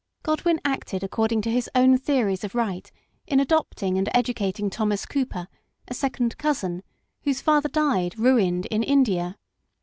Godwin acted according to his own theories of right in adopting and educating Thomas Cooper, a second cousin, whose father died, ruined, in India.